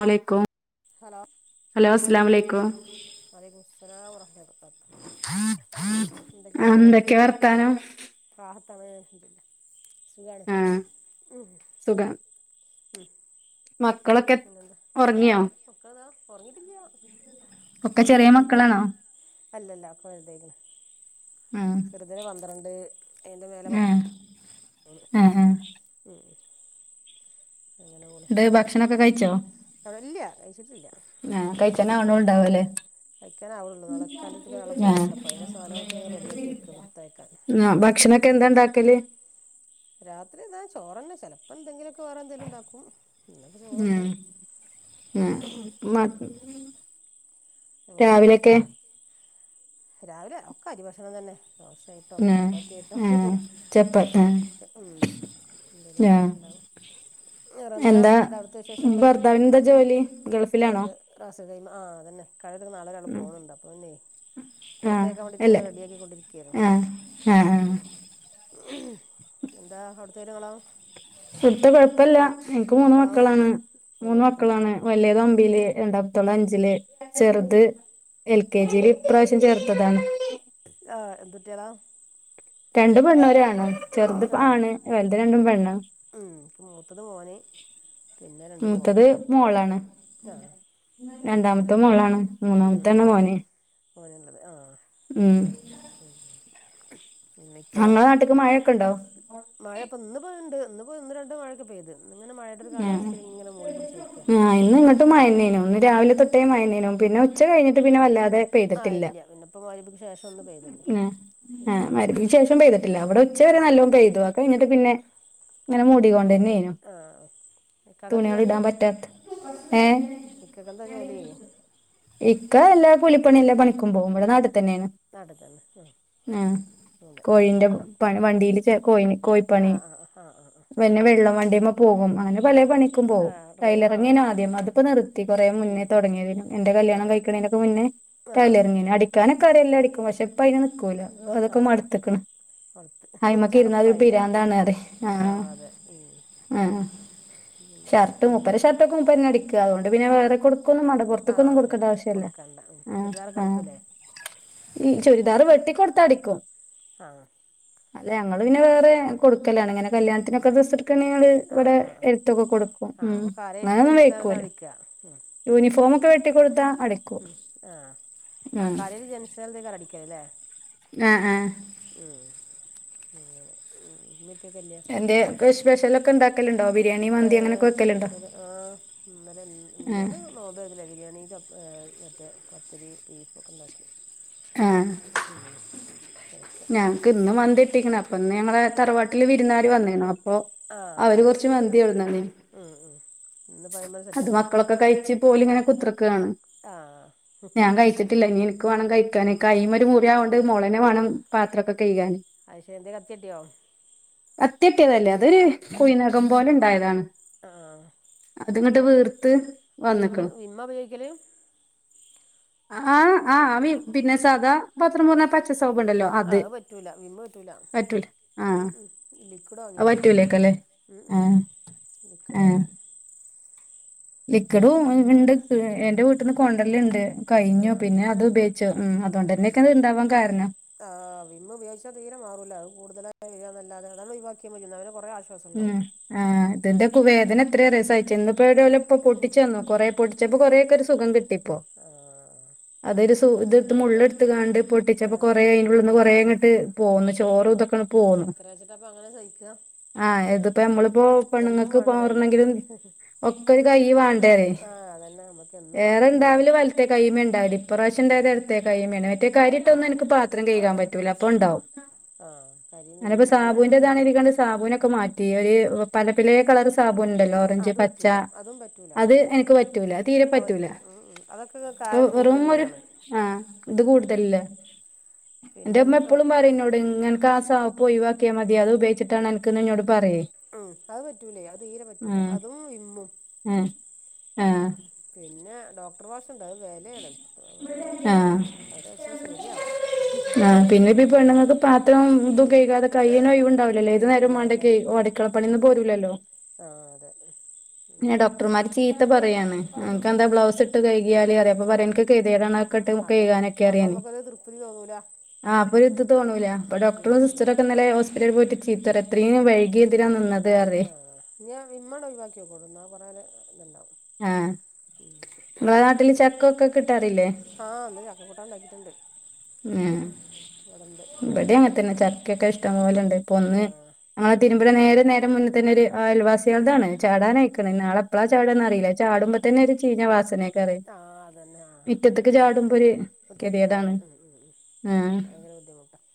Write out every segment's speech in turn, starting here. മലേക്കും hello അസ്‌ലമലേക്കും അതേ കുസരാ ഉറക്കന്നത് ആഹ് എന്തൊക്കെയിരിക്കണ്? എന്തൊക്കെ വർത്താനം [inaudible] ആ തവേല്ല സുഗാണ് ആഹ് ഉം സുഖം മക്കളൊക്കെ പിന്നെന്താ ഒറങ്ങിയോ മക്കള് ഉറങ്ങിട്ടില്ല ഒക്കെ മക്കളൊക്കെ ചെറിയ വലുതായിക്കണ് മക്കളാണോ അല്ലല്ല അപ്പൾ വഴുതായിനി ആഹ് ചെറുതിന് പന്ത്രണ്ട് അതിൻ്റെ മേലെ പത്ത് ആഹ് ഉം ആഹ് ആഹ് ഉം അങ്ങനെ പോണ് ഇത് ഭക്ഷണൊക്കെ കഴിച്ചോ അവിടെ ഇല്ല കഴിച്ചിട്ടില്ല ആ കഴിച്ചിന ആണ ഉണ്ടാവല്ലേ കഴിക്കാൻ ആളുണ്ട് വിടുള്ള നളെക്ക ഒരാൾ പോന്നുണ്ട് അപ്പോ അങ്ങെ സാധനങ്ങളൊ റെഡിയാക്കി വെക്ക കൊടുത്തയക്കാൻ [unintelligible] ആ ഭക്ഷണൊക്കെ എന്താ ഉണ്ടാക്കല് രാത്രി ഇതാ ചോറന്നെ ചിലപ്പോ എന്തെങ്കിലും ക്കെ വേറെ എന്തേലും ഉണ്ടാക്കും ഇന്ന് ഇപ്പ ചോറുണ്ട് ആ അങ്ങനെ രാവിലെയൊക്കെ രാവിലെ ഒക്ക അരിഭക്ഷണം തന്നെ ദോശായിട്ടോ ആഹ് ചപ്പാത്തിായിട്ടോ ആഹ് ചപ്പ ആഹ് ഉം എന്തേലൊക്കെ ആഹ് ആയിട്ട് ഉണ്ടാവും എന്താ ഭർത്താവിന് എന്താ ജോലി ഗൾഫിലാണോ അതുപോലെ ആ റാസൽ തന്ന [unintelligible] നാളെ ഒരാൾ ഉം പോവുന്നുണ്ട് അപ്പോ ആഹ് കൊടുത്തയക്കാൻ വേണ്ടിട്ട് അല്ല ഇങ്ങനെ റെഡി ആക്കികൊണ്ടിരിക്കയാണ് ആഹ് ആഹ് ആഹ് എന്താ അവിടത്ത കാര്യങ്ങളോ ഇവിടുത്തെ കുഴപ്പല്ല എനിക്ക് മൂന്ന് മക്കളോ മക്കളാണ് മൂന്ന് മക്കളാണ് വലിയ ഒമ്പയില് രണ്ടാമത്തോൾ അഞ്ചില് ചെറുത് എൽ കെ ജിയില് ഇപ്രാവശ്യം ചേർത്തതാണ് ആഹ് എന്ത് കുട്ടികളാ രണ്ട് പെണ്ണ് ഒരു ആണ് ചെറുത് ആണ് വലുത് രണ്ടും പെണ്ണ് ഉം ഇപ്പ മൂത്തത് മോന് പിന്നെ രണ്ട് മോള് മൂത്തത് മോളാണ് ആ രണ്ടാമത്തെ എനിക്ക് മോളാണ് മൂന്നാമത്തെ തന്നെ മോന് അല്ലത് ആ ഉം എനിക്കേ അങ്ങ് നാട്ടിക്ക് മഴയൊക്കെ ഒണ്ടോ അന്ന് പോയി ഒന്ന് രണ്ട് മഴൊക്കെ പോയ്ത് നിൽക്കുക ആ ഇന്ന് ഇങ്ങോട്ട് [unintelligible] രാവിലെ തൊട്ടെ [unintelligible] പിന്നെ ഉച്ച കഴിഞ്ഞിട്ട് പിന്നെ വല്ലാ ആ പെയ്തിട്ടില്ല ഇല്ല പിന്നെ ഇപ്പോൾ മഗ്‌രിബിക്ക് ശേഷം ഒന്ന് പെയ്തുന്നു ഇപ്പോൾ ആ ചാറിപ്പോയി [unintelligible] ശേഷം പെയ്തിട്ടില്ല അവടെ ഉച്ചവരെ നല്ലോ പെയ്തു അത് കയിഞ്ഞിട്ട് പിന്നെ ഇങ്ങനെ മൂടികൊണ്ട് തന്നെനു ആ ഇക്കാക്ക് എന്താ തുണികള് ജോലി ഇടാൻ പറ്റത്ത ഏ ഇക്കാക്ക് എന്താ ജോലി ഇക്ക എല്ലാ കൂലിപ്പണിലെ പണിക്കും പോവും ഇവടെ നാട്ടി തന്നെയാണ് നാട്ടിൽ തന്നെ ആ ആ അതെ ഉം. കോഴിന്റെ വണ്ടിയില് കോഴി ആ കോഴിപ്പണി ആ ആ ആ ആ പിന്നെ വെള്ളം വണ്ടിമേ പോവും അങ്ങനെ പല പണിക്കും ആ ആ പോവും ഡ്രൈവറാണ് ടൈലറിങ്ങിന ആദ്യം അതിപ്പോ നിർത്തി കുറെ മുന്നേ ഉം. തുടങ്ങിയതിനും എന്റെ ആ കല്യാണം കഴിക്കണേന്ക്ക് മുന്നേ ആ അതെ ടൈലറിങ് ഉം. അടിക്കാനൊക്കെ അറിയാം എല്ലാം അടിക്കും പക്ഷെ ഇപ്പയിന് നിക്കൂല ആ അതൊക്കെ മടുത്തേക്കണ് കൊടുത്ത് ഹയിമക്ക് ഇരുന്നതരു ചടപ്പായില്ലേ പിരാന്താണ് അതെ ആ അതെ ഉം. ആ പിന്നെ ഷർട്ട് ഉം. മുപ്പരെ ഷർട്ടോക്കെ മൂപ്പന്നേ അടിക്ക അതൊണ്ട് പിന്നെ വെറേ കൊടുക്കൊന്നും മണ്ട ആ അതെ കൊടുക്കണ്ട ആഹ് ചുരിദാറൊക്കെ ആഹ് അടിക്കൂല്ലേ ഈ ചുരിദാറ് വെട്ടി കൊടുത്ത അടിക്കും ആ അല്ലെ അങ്ങള് അങ്ങനെ പിന്നെ വേറെ കൊടുക്കലാണ് അങ്ങനെ കല്യാണത്തിനൊക്കെ ഡ്രസ്സ് എട് ക്കണികള് ആ ഇവിടെ ആ ആ എടുത്തൊക്കെ കൊടുക്കും ആഹ് മ് അപ്പൊ കാര്യായിട്ട് അങ്ങനൊന്നും ജെൻസാൾതാണ് വേടിക്കൂല അടിക്ക ഉം തൂനിഫോം ഒക്കെ വെട്ടി കൊടുത്താ ഉം ആ ആ [unintelligible] അടിക്കാല്ലേ ആ ആ അങ്ങനെ ഉം ഇമ്മീം ഇപ്പിയൊക്കെല്ലേ എന്തെ സ്പെഷല് ഒക്കെ ഉണ്ടാക്കലുണ്ടോ വീ ഏ സ്പെഷ്യല് ആ ഇന്നലെ ആഹ് മിനിഞാന്ന് നോമ്പര്ന്നില്ലേ ബിരിയാണി ചപ്പ മറ്റേ പത്തിരി ബീഫ് ഒക്കെണ്ടാക്കി ആ അതൊക്കെ ഞങ്ങ് ഇന്നും മന്തിട്ടിക്ക്ണ് പ്പം പ്പന്ന് ഞങ്ങളെ തറവാട്ടില് വിരുന്നുകാര് വന്നീന്നു പ്പൊ ആഹ് അവര് ആഹ് കൊറച്ച് മന്തി കൊണ്ട് വന്നീന് ഉം ഉം ഇന്ന്പ്പോ അയ്മെ അത് സെറ്റപ്പാക്കി മക്കളൊക്കെ കഴിച്ച് ഓല് ഇങ്ങനെ കുത്ര ക്കാണ് ആഹ് ഞാൻ കഴിച്ചിട്ടില്ല ഇനി എനിക്ക് വേണം കഴി ക്കാന് കൈമേ ഒര് മുറി ആയ കൊണ്ട് മോളന്നെ വേണം പാത്രഒക്കെ അയ് ശെ എന്ത് കത്തിതട്ടിയോ കത്തിയട്ടിയതല്ല അതൊര് കുഴിനഖം പോലെ ഉണ്ടായതാണ് ആ അതിങ്ങട്ട് അടെപ്പറം വീർത്ത് വിമ്മ് വന്ന്ക്ക്ണ് വിമ്മ ഉപയോഗിക്കല് ആ ആ വിമ് പിന്നെ സാധാ പത്രം മോറുന്ന പച്ച സോപ്പ് ഉണ്ടല്ലോ അത് പറ്റൂല വിമ്മ് പറ്റൂല പറ്റൂല ആ ഉം ഉം ലിക്വിഡ് അത് വാങ്ങിയാതി പറ്റൂലേക്കല്ലേ ഉം ഉം ആ ലിക്വിഡ് വാണം ലിക്വിഡ് ഉണ്ട് എന്റെ വീട്ടിന്ന് കൊണ്ട് വെരലിണ്ട് ആ കഴിഞ്ഞു പിന്നെ അത് ഉപയോഗിച്ചു ഉം അതുകൊണ്ട് തന്നെക്കെ അത് ഇണ്ടാവാൻ കാരണം ആ വിമ്മ് ഉപയോഗിച്ച തീരെ മാറൂല്ല അത് കൂടുതലായി നല്ലാതെ അതാങ്ങ് ഒയിവാക്കിയാമതി അന്നാ പിന്നെ കോറെ ഉം ആ ഇതിന്റെ കു വേദന എത്രയാ അറിയോ സഹിച്ചേ ഇന്നിപ്പോഴ് രാവിലെ പൊട്ടിച്ചു തന്നു കോറെ പൊ ച്ചപ്പോ കോറേക്കെ ഒരു സുഖം കിട്ടിപ്പൊ ആ അതൊരു സു ഇതെടുത്ത് മുള്ള് അങ്ങനെയൊക്കെ എടുത്ത് കാണ്ട് ആ പൊട്ടിച്ചപ്പോ കോറേ അയിന്റെള്ളിന്ന് കോറേ ഇങ്ങോട്ട് പോകുന്നു ചോറും ഇതക്ക്ണു പോന്നു എങ്ങനെ സയിക്ക ആ ഇതിപ്പോ നമ്മളിപ്പോ പെണുങ്ങൾക്ക് വേണ്ടതല്ലേ പോറണെങ്കിലും ഒക്കെ ഒരു കൈയിവാണ് ട്ടരേ ആ അതന്നെ നമുക്ക് എന്നും വേണ്ട പതിയല്ലേ ഏറെണ്ടാവല് വലത്തെ കൈ മേണ്ടാവല് ഇപ്രാശം ഉം എന്താലും ഉം എടത്തെ കൈമേ മറ്റേ കരിട്ടൊന്നുംനിക്ക് പാത്രം കഴുകാൻ പറ്റൂല അപ്പൊണ്ടാവും ആ കരിയും ഞാനിപ്പ വിമ്മും കൂടി സാബൂന്റെ അതാണ് ഇതാണ് ഇരിക്കണ്ട് സാബൂനെ ക്കെമാറ്റി ഒര് പലെ പലെ കളർ സാ പ്പൊ ണ്ടല്ലോ ഓറഞ്ച് അത് പച്ച പറ്റൂല അതും പറ്റൂല അത് എനിക്ക് പറ്റൂല തീരെ അത് പറ്റൂല ഉം ഉം അതൊക്കെ കായം റൂമ് ഒരു കൂടുതലുള്ളതാണ് ആഹ് ദ് കൂടുതലില്ലേ പിന്നെ ന്റെ മ്മ എന്ത് എപ്പളും പറയും ഇന്നോട് നക്ക് ആ സാ പ്പ് ഒയിവാക്കിയാ മതി അത് ഉപയോഗിച്ചിട്ടാണ് അനക്ക് ഇന്നോട് ഉം അത് പറ്റൂലേ അത് തീരെ പറ്റൂല ഉം അതും വിമ്മും ഉം ഉ ആഹ് പിന്നെ ഡോ ണ്ട അത് വെലയാണ് അപ്പ പിന്നെ ആഹ് അത് തെച്ചാ ശെരിയാവും നേബി പെണ്ണ്ങ്ങക്ക് പാത്രം ദും കൈകാത കൈന് ഒഴവുണ്ടാവില്ലല്ലോ ഏത് നേരം മണ്ടെ കൈ അടുക്കളപ്പണീന്ന് പോരൂലല്ലോ ആഹ് അതെ ന്നെ ഡോക്ടർമാര് ചീത്ത പറയാണ് അനക്ക്ന്താ ഗ്ലാവ്സ് ഇട്ട് കഴിയാല് റയും അപ്പൊ പറയും എനിക്ക് ഗതികേടാണ് അപ്പമ്മക്ക് അപ്പമ്മക്കൊരു തൃപ്തി തോന്നൂല തോണൂല അപ്പ ഡോക്ടറും ഉം ഉം സിസ്റ്ററും ഒക്കെ ഇന്നല ഹോസിറ്റലിൽ പോയിട്ട് ചീത്ത പറയ എത്രയും വൈകിഎന്തിനാ നിന്നത് പറയും ആഹ് യ്യ് വിമ്മ് ട് ഒഴിവാക്കിയോക്കൊണ്ടു കൊറെ ഒര് ഇണ്ടാവും ആഹ് ഞളെ നാട്ടില് ചക്കൊക്കെ കിട്ടാറില്ലേ ആ ഇന്ന് ചക്കക്കൂട്ടാൻ ഉണ്ടാക്കിയിട്ടുണ്ട് ഉം ഇവിടെ ഉണ്ട് ഇബടെ അടുത്തുനിന്നൊക്കെ അങ്ങനെത്തന്നെ കിട്ടും ചക്കൊക്കെ ഇഷ്ടംപലെണ്ട് ഇപ്പൊ ഒന്ന് ആ ഞങ്ങളെ തിര് ഇവിടെ നേരെ നേരെ മുന്നെ തന്നെ ഒരു അയൽവാസികളതാണ് ചാടാൻആയിക്ക്ണ് നാളെ എപ്പളാ ചാടാന്ന് അറിയി ചാടുമ്പോ തന്നെ ഒരു ചീഞ്ഞ വാസനെ ആഹ് അതന്നെ ആ ചാടുമ്പോ ഒരു മുറ്റത്ത്ത്തെ അതെ കെതിയേടാണ് ഉം ഉം ഉം ആഹ് ഭയങ്കര ബുദ്ധിമുട്ടാണ്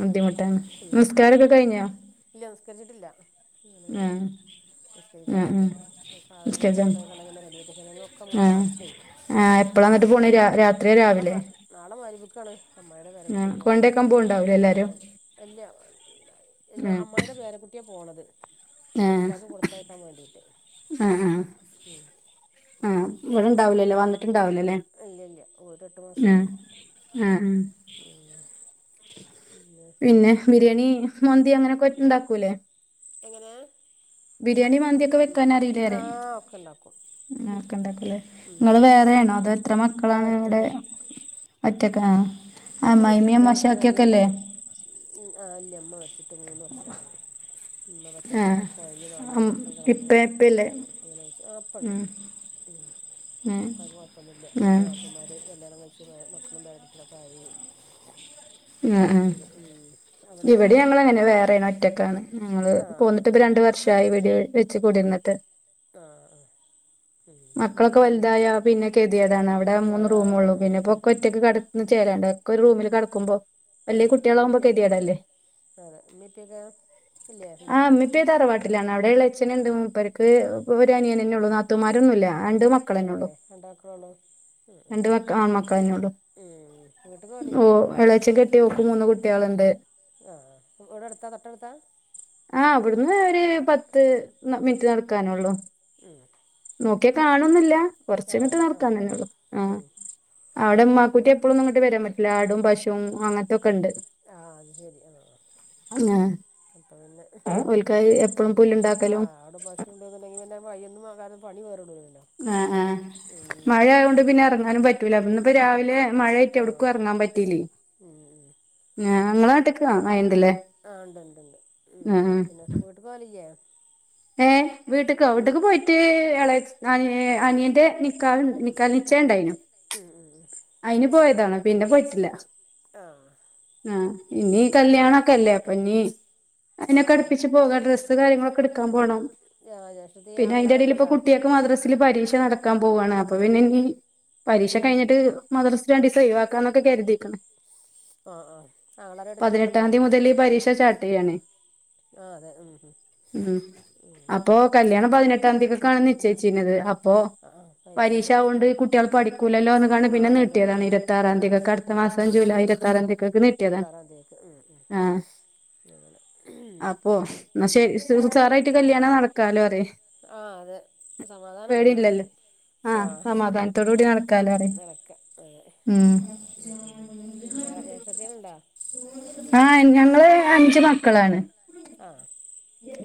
ബുദ്ധിമുട്ടാണ് ഉം നിസ്കാരൊക്കെ കഴിഞ്ഞോ ഇല്ല നിസ്കരിച്ചിട്ടില്ല അങ്ങനെ ഞാൻ ആഹ് ആഹ് നിസ്കരിക്കണ്ടായി ആഹ് സാധ നിങ്ങള് നിസ്കരിച്ചാണ് കൊടുത്ത കണ്ടം കിണ്ട റെഡിയൊക്കെ ചിലതൊക്കെ ഇങ്ങനെ ആഹ് മറക്കും ആഹ് എപ്പളാ ന്നിട്ട് പോണെ രാ രാത്രിയാ രാവിലെയാ ബുക്കാണ് അമ്മായിടെ പേരക്കുട്ടി പോണത് പോവുണ്ടാവൂലേ എല്ലാരും [unintelligible] ഇല്ല ഞാ ആഹ് അമ്മായിടെ പേരക്കുട്ടിയാ പോണത് ആഹ് ഇക്കാക്ക കൊടുത്തയക്കാൻ വേണ്ടിട്ട് ആഹ് ആഹ് ഉം ആഹ് ഇവിടെണ്ടാവൂലല്ലേ വന്നിട്ടുണ്ടാവൂലാല്ലേ ഇല്ല ഇല്ല പോയിട്ട് എട്ട് ആ മാസമായി ആഹ് പിന്നെ ബിരിയാണി മൊ ന്തി അങ്ങനൊക്കെ ഇണ്ടാക്കൂലെ എങ്ങനേ ബിരിയാണി മന്തിയൊക്കെ വെ ക്കാനറിയില്ലേറേ ഒക്കെ ഉണ്ടാക്കും [unintelligible] നിങ്ങള് വേറെ ആണോ അതോ എത്ര മക്കളാണ് ട്ടിക്കൾ ഒറ്റക്കാ അമ്മായിയമ്മയും ഇടയുണ്ട് ഒരു അമ്മോശക്ക അനിയുണ്ട് യൊക്കില്ലേ ഉം ആഹ് ഇല്ല ഉമ്മ മരിച്ചിട്ട് മൂന്ന് വർഷായി ഉമ്മ പറ്റേ ആ കൊ കുഴഞ്ഞ് നാലര അം വർഷം കിടന്ന് ഇപ്പ ഇപ്പില്ലേ അങ്ങനെ പക്ഷെ വാപ്പണ്ട് ഉം ഉം അത് കുഴപ്പൊന്നില്ല ആ രണ്ട് നാത്തൂന്മാരെ കല്യാണം കഴിച്ച് മക്കളും പേരക്കുട്ടികളും പനി ഉം ഉം ഇവിടെ ഞങ്ങള് അങ്ങനെയാ വേറെയാണ് ഒറ്റക്കാണ് ഞങ്ങള് ആഹ് പോന്നിട്ട് ഇപ്പ രണ്ട വർഷായി വീട് വെച്ച് കൂടിരുന്നിട്ട് ആഹ് ഉം മക്കളൊക്കെ ഉമ്മീപ്പൊക്കെ ഉണ്ടോ വലുതായ പിന്നെ കെതികേടാണ് അവിടെ മൂന്ന് ആഹ് അതെ റൂമേള്ളു ഉം പിന്നെ ഇപ്പ ഉം ഉം ഒറ്റക്ക് കിടന്ന് ചേലാണ്ട് ഇതൊക്കെ ഒരു റൂമിൽ കിടക്കുമ്പോ അല്ലെങ്കിൽ അതെ കുട്ടികളാകുമ്പോ ഉമ്മീപ്പൊക്കെ കെതിയെടല്ലെ അതെ ഉമ്മീപ്പൊക്കെ ഇല്ലേ ഉണ്ടോ ആഹ് മ്മിപ്പയും തറവാട്ടിലാണ് അവിടെയുള്ള അച്ഛനുണ്ട് മൂപ്പർക്ക് പ ഒരു അനിയനന്നെ ഉള്ളൂ നാത്തൂന്മാരൊന്നുല്ല രണ്ട് മക്കളന്നെള്ളൂ ഏഹ് രണ്ടാക്കളൊള്ളൂ ഉം ഉം രണ്ട് മക്കള് ആൺമക്കളന്നെ ഉള്ളൂ ഉം വീട്ട്ക്ക് ഓ പോവലില്ലേ എളാച്ചെ കെട്ടിയോക്ക് മൂന്ന് കുട്ടികളുണ്ട് ആഹ് ഇവിടെ അടുത്താ തൊട്ടടുത്താ ആഹ് ഇവിടുന്ന് ഒരു പത്ത് മിനിറ്റ് നടക്കാനുള്ളു ഉം നോക്കിയ കാണുന്നൊല്ല ആഹ് കൊറച്ചങ്ങിട്ട് അതെ നടക്കാ ആഹ് ആഹ് തന്നെയുള്ളൂ ആ ഉം അവിടെ ഉമ്മാക്കുട്ടി എപ്പോഴുന്നങ്ങട്ട് വരാൻ പറ്റില്ല ആടും പശുവും അങ്ങനത്തൊക്കെ ഇണ്ട് ആഹ് അത് ശരിയാണ് ആ ആ ആഹ് ഓൽക്ക് അഹ് എപ്പോ ആഹ് അവിടെ ഭക്ഷണുണ്ടുന്നുണ്ടെങ്കി പിന്നെ പയ്യനെ നോക്കാനും പണി വേരൂടു ആ ആ മഴ ആയതുകൊണ്ട് പിന്നെ ഇറങ്ങാനും പ പറ്റൂല ഇന്നിപ്പോ പറ്റ് രാവിലെ മഴ ആയിട്ട് എവിട്ക്കും ആഹ് ഇറങ്ങാൻ പറ്റിലെ ഉം ഉം ആഹ് ഇങ്ങള നാട്ടിക്ക്‌ ആ അയണ് ആ ഇണ്ടു ഇണ്ടുണ്ട് ഉം ആഹ് പിന്നെ വീട്ടിക്ക് പോവലില്ലേ ഏഹ് വീട്ടക്കോ വീട്ടിക്ക് വീട് പോയിട്ട് എള അനി അനിയന്റെ നിക്കാഹ്‌ നിക്കാഹ്‌ നിശ്ചയണ്ടായിനു ഉം ഉം അയിന് പോയതാണ് പിന്നെ പോയിട്ടില്ല ആ ആഹ് ഇനീ ഉം കല്യാണൊക്കെല്ലേ അപ്പൊ ഇനി ആ അതിനൊക്കെ അടുപ്പിച്ച് എത്ര പോകുവ ആൾ ഡ്രസ്സ് കാര്യങ്ങളൊക്കെ എടുക്കാൻ പോണം ആ ജ്യേഷ്ഠത്തി പിന്നെ അതിന്റെ ഇടയിൽ ആങ്ങളാരൊക്കെ ഇപ്പോ ഉണ്ടോ കുട്ടിയക്ക് മദ്രസയിൽ പരീക്ഷ നടക്ക ക്കാൻ പോവയാണ് അപ്പൊ പിന്നെ ഇനി പരീക്ഷ ആ കഴിഞ്ഞിട്ട് മദ്രസ രണ്ടിസം ഒഴിവാക്കൊന്നൊക്കെ കരുതിയിക്ണ് ആ ആങ്ങളാരും ഏട്ടത്തിയാളൊക്കെ പതിനെട്ടാം ഉണ്ടോ തിയ്യതി മുതൽ പരീക്ഷ സ്റ്റാർട്ടെയാണ് ആ അതെ ഉം ഉം ഉം ഉം അപ്പൊ കല്യാണം പതിനെട്ടാംതിയ നിശ്ചയിച്ചുന്നത് അപ്പോ ആ ആ പരീക്ഷ പൈസേൻ്റെ കൊണ്ട് കുട്ടികൾ പഠിക്കൂലല്ലോന്ന് കാണു ആ പിന്നെ നീ അതെ നീട്ടിയതാണ് ഉം ഉം ഇരുത്താറാംതിക്കക്കെ അടുത്ത മാസം ജൂലൈ ഇരുപത്തി ആറാംതിയക്കൊക്കെ നീട്ടിയതാണ് ഇരുപത്താറാം തീയതിക്ക് ഉം ഉം ആ അങ്ങനെ അപ്പോ എന്നാ ശരി സാറായിട്ട് കല്യാണം നടക്കാലോ അതേ ആഹ അത് സമാധാനംണ്ടല്ലോ ആഹ സമാധാനത്തോടു കൂടി നടക്കാലോ അറേ നടക്കാം അതെ ഉ ഉം ഉം ജ്യേഷ്ഠത്തികളുണ്ടോ ആഹ ഞങ്ങള് അഞ്ചുമക്കളാണ് ആഹ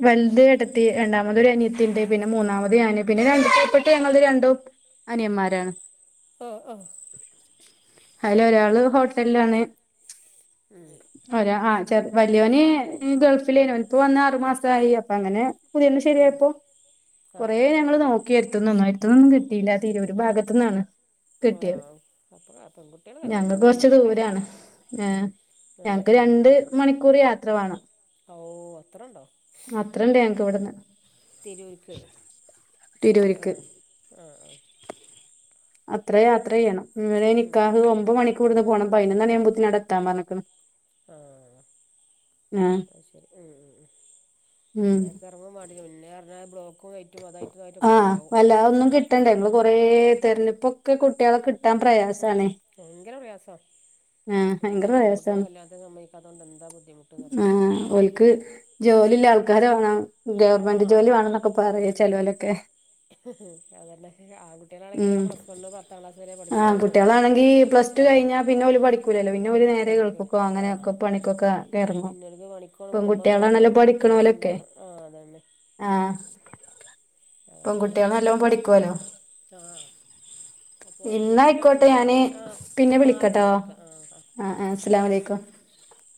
വലുത് ഏടത്തി രണ്ടാമത് ഒരു അനിയത്തിണ്ട് പിന്നെ മൂന്നാമത് ഞാന് പിന്നെ [unintelligible] രണ്ടും അനിയമാരാണ് ഓഹ ആഹ അതില ഒരാള് ഹോട്ടലിലാണ് ഉം ഒരാ ആ വലിയോന് ഗൾഫിലേനു നിപ്പോ വന്ന് ആറു മാസായി അപ്പ അങ്ങനെ പുതിയന്ന് ഉം ശരിയായപ്പോ ആ കൊറേ ആ ഞങ്ങള് നോക്കിയായിരിന്നു നന്നായിട്ടൊന്നും കിട്ടില്ല തിരൂരു ഭാഗത്ത് നിന്നാണ് ആഹ അപ്പൊ പെൺകുട്ടികള് കല്യാണത്തിന് ഞങ്ങക്ക് സമ്മയിക്കണ്ടേ ഞക്ക് രണ്ട് മണിക്കൂർ യാത്ര വേണം ഓ അത്ര ഉണ്ടാ അത്രണ്ട് ഞങ്ക്ക് ഇവിടുന്ന് ആഹ തിരൂര്ക്ക് ആഹ ആഹ അത്ര യാത്ര ചെയ്യണം ഇന്നലെ ഉം നിക്കാഹ് ഒമ്പ് മണിക്ക് ഇടുന്ന് പോണം പൈനൊന്നു മണിയമ്പേത്തിനു ആടെത്താൻ പറഞ്ക്കണ് ആഹ അത് ശരി ഉം അടുന്ന് എറങ്ങു മേണ്ടെ പിന്നെ ആടുന്ന് ബ്ലോ ആഹ വല്ലാതൊന്നും കിട്ടണ്ട ങ്ങ കൊറെ തിരഞ്ഞെടുപ്പൊക്കെക്കൂ കുട്ടികളെ കിട്ടാൻ പ്രയാസണേ പെൺകുട്ടികള് കുട്ടികള് കല്യാണത്തിന് സമ്മയിക്കാതൊണ്ട് എന്താ ബുദ്ധിമുട്ട്ന്നറിയൊ ജോലി ഇള്ള ആൾക്കാര് വേണം ആ ഗവൺമെന്റ് ആ ജോലി വേണന്നൊക്കെ ചെലവലൊക്കെ അതന്നെ ആൺകുട്ടികളാണെങ്കിലോ പ്ലസ് വണ്ണു പത്താം ക്ലാസ് വരെ പഠിച്ച് ഓല് നിർത്തി ആ ഞാ പിന്നെ ഓല് പഠിക്കൂലല്ലോ പിന്നെ ഒരു നേരെ പഠിക്കൂല ഗൾഫിൽക്കോ ആ അങ്ങനെയൊക്കെ പണിക്കൊക്കെ എറങ്ങും പിന്നോൽക്ക് പണിക്കോണം കുടുംബം നോക്കണം പെൺകുട്ടികളാണല്ലോ പൈസ പഠിക്കണോല് ഉണ്ടാക്കണം ആഹ അതന്നെ ആഹ അതൊക്കെ തന്നെ പെൺകുട്ടികള ഇപ്പളെ നല്ലോ പ്രശ്നം പഠിക്കുവല്ലോ ആ അപ്പോൾ ഓലതീക്കോട്ട് ഇന്നായിക്കോട്ടെ അനുസരിച്ച് ഞാന് ആവൂല ആ പിന്നെ ആ പിന്നെ വിളിക്കട്ടോ വിളിക്കാം ആ ആ ഓക്കെ അസലാം അലൈക്കു [inaudible]